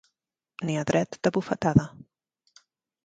Ni a dret de bufetada.